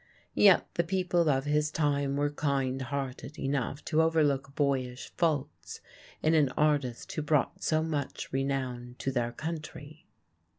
Yet the people of his time were kind hearted enough to overlook boyish faults in an artist who brought so much renown to their country.